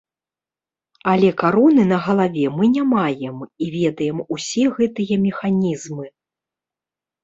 Але кароны на галаве мы не маем і ведаем усе гэтыя механізмы.